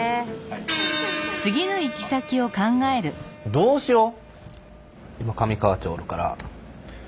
どうしよう？